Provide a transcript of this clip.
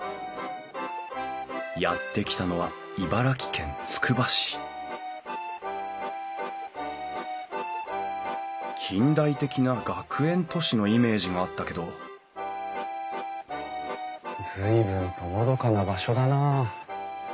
やって来たのは茨城県つくば市近代的な学園都市のイメージがあったけど随分とのどかな場所だなあ。